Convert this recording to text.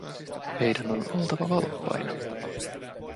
Meidän on oltava valppaina.